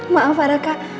maaf pak raka